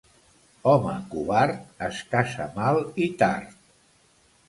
Home covard, es casa mal i tard.